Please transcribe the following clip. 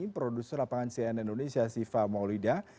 produser lapangan cnn indonesia siva maulida